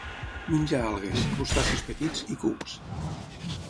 Menja algues, crustacis petits i cucs.